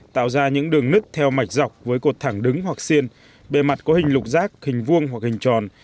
tạo ra những đường nứt theo mạch dọc với cột thẳng đứng hoặc xiên bề mặt có hình lục rác hình vuông hoặc hình tròn